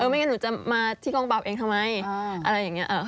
ไม่งั้นหนูจะมาที่กองปราบเองทำไมอะไรอย่างนี้